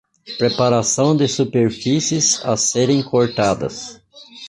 Preparação de superfícies a serem cortadas.